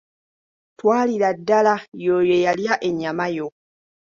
“Twalira ddala y’oyo eyalya ennyama yo.”